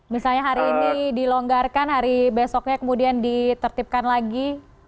misalnya hari ini dilonggarkan hari besoknya kemudian ditertipkan lagi